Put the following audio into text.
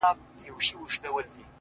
سترگي لكه دوې ډېوې ـ